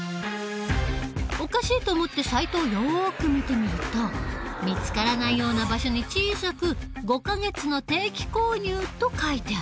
おかしいと思ってサイトをよく見てみると見つからないような場所に小さく５か月の定期購入と書いてあった。